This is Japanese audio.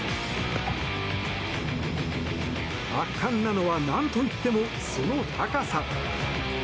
圧巻なのは、何といってもその高さ！